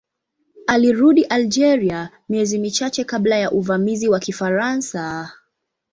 Alirudi Algeria miezi michache kabla ya uvamizi wa Kifaransa.